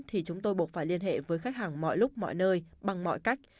thì chúng tôi buộc phải liên hệ với khách hàng mọi lúc mọi nơi bằng mọi cách